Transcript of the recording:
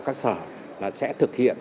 các sở sẽ thực hiện